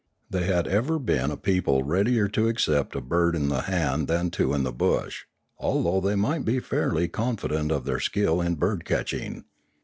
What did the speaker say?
They had ever been a people readier to accept a bird in the hand than two in the bush, although they might be fairly confident of their skill in bird catching.